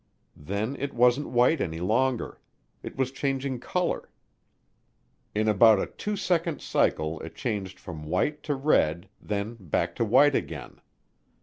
Then it wasn't white any longer; it was changing color. In about a two second cycle it changed from white to red, then back to white again.